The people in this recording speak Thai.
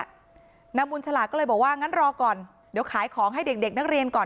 นางบุญฉลาดก็เลยบอกว่างั้นรอก่อนเดี๋ยวขายของให้เด็กเด็กนักเรียนก่อน